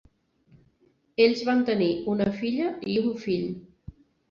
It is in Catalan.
Ells van tenir una filla i un fill.